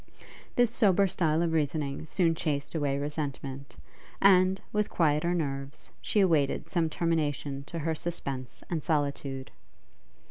This sober style of reasoning soon chased away resentment, and, with quieter nerves, she awaited some termination to her suspence and solitude.